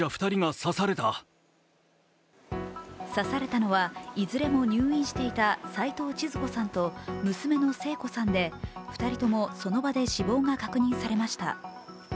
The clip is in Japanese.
刺されたのはいずれも入院していた齊藤ちづ子さんと娘の聖子さんで２人とも、その場で死亡が確認されました。